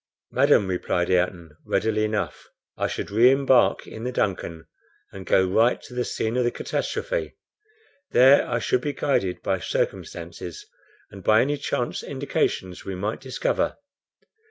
"Madam," replied Ayrton, readily enough, "I should re embark in the DUNCAN, and go right to the scene of the catastrophe. There I should be guided by circumstances, and by any chance indications we might discover."